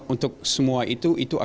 untuk semua itu itu akan